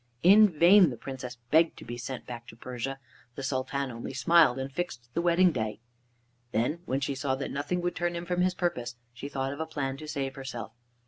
In vain the Princess begged to be sent back to Persia. The Sultan only smiled and fixed the wedding day. Then when she saw that nothing would turn him from his purpose, she thought of a plan to save herself.